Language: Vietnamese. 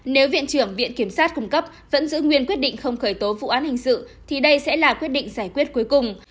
nếu viện trưởng viện kiểm sát cung cấp vẫn giữ nguyên quyết định không khởi tố vụ án hình sự thì đây sẽ là quyết định giải quyết cuối cùng